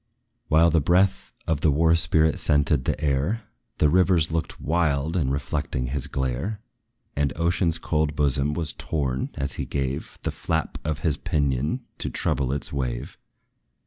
While the breath of the war spirit scented the air, The rivers looked wild in reflecting his glare; And ocean's cold bosom was torn, as he gave The flap of his pinion to trouble its wave.